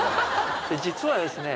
実はですね